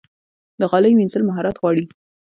د غالۍ مینځل مهارت غواړي.